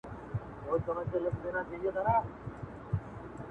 په خپله خوښه حکمراني کوي